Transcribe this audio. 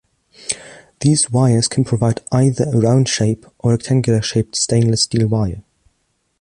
These wires can provide either a round shape or rectangular shaped stainless steel wire.